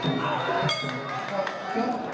ส่วนคู่ต่อไปของกาวสีมือเจ้าระเข้ยวนะครับขอบคุณด้วย